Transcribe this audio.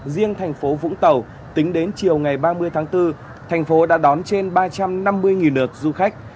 riêng thành phố vũng tàu tính đến chiều ngày ba mươi tháng bốn thành phố đã đón trên ba trăm năm mươi lượt du khách